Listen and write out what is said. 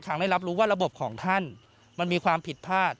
ไม่รับรู้ว่าระบบของท่านมันมีความผิดพลาด